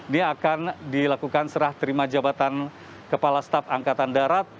dia akan dilakukan serah terima jabatan kepala staf angkatan darat